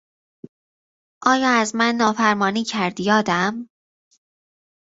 آیا از من نافرمانی کردی آدم؟